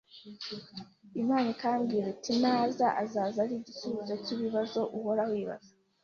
Imana ikambwira iti “Naza azaza ari igisubizo cy’ibibazo uhora wibaza